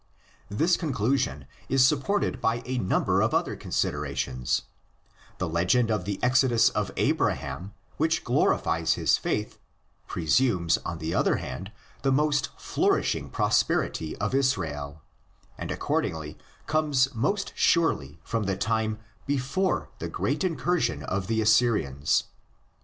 This conclusion is supported by a num ber of other considerations: the legend of the exodus of Abraham, which glorifies his faith, pre sumes on the other hand the most flourishing pros perity of Israel, and accordingly comes most surely from the time before the great incursion of the Assyrians.